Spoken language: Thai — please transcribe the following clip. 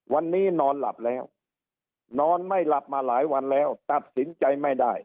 วันนี้นอนหลับแล้วนอนไม่หลับมาหลายวันแล้วตัดสินใจไม่ได้